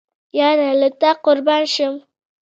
یاره له تا قربان شم